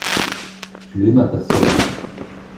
Tu aimas ta sœur.